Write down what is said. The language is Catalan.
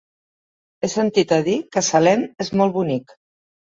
He sentit a dir que Salem és molt bonic.